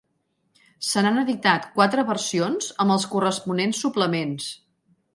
Se n'han editat quatre versions amb els corresponents suplements.